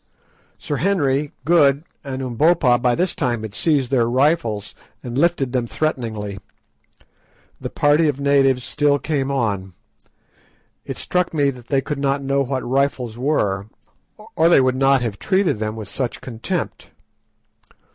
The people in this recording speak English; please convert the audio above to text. Sir Henry, Good, and Umbopa by this time had seized their rifles and lifted them threateningly. The party of natives still came on. It struck me that they could not know what rifles were, or they would not have treated them with such contempt.